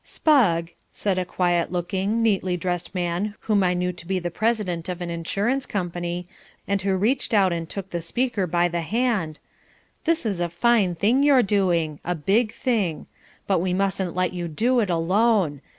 "Spugg," said a quiet looking, neatly dressed man whom I knew to be the president of an insurance company and who reached out and shook the speaker by the hand, "this is a fine thing you're doing, a big thing. But we mustn't let you do it alone.